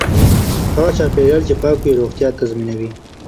هغه چاپیریال چې پاک وي روغتیا تضمینوي.